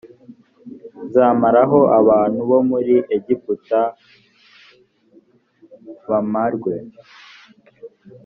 nzamaraho abantu bo muri egiputa bamarwe